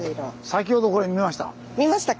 先ほどこれ見ました。